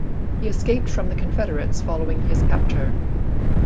He escaped from the Confederates following his capture.